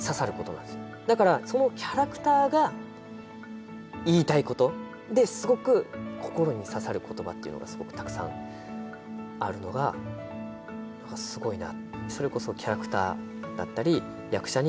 歩んできた道だからそのキャラクターが言いたいこと。ですごく心に刺さる言葉っていうのがすごくたくさんあるのが何かすごいな。